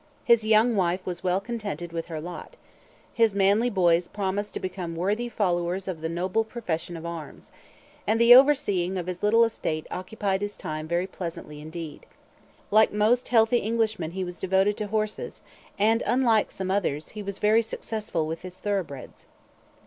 His young wife was well contented with her lot. His manly boys promised to become worthy followers of the noble profession of arms. And the overseeing of his little estate occupied his time very pleasantly indeed. Like most healthy Englishmen he was devoted to horses, and, unlike some others, he was very successful with his thoroughbreds.